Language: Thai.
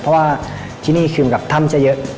เพราะว่าที่นี่คือเหมือนกับถ้ำจะเยอะ